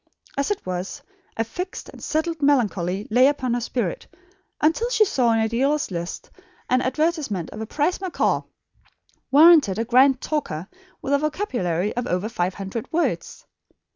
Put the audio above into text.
As it was, a fixed and settled melancholy lay upon her spirit until she saw in a dealer's list an advertisement of a prize macaw, warranted a grand talker, with a vocabulary of over five hundred words.